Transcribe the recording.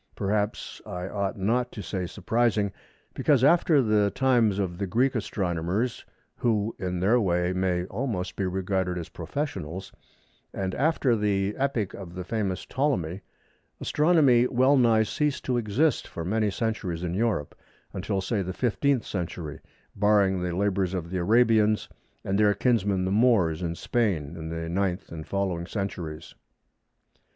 Perhaps I ought not to say "surprising," because after the times of the Greek astronomers (who in their way may almost be regarded as professionals), and after the epoch of the famous Ptolemy, Astronomy well nigh ceased to exist for many centuries in Europe, until, say, the 15th century, barring the labours of the Arabians and their kinsmen the Moors in Spain in the 9th and following centuries.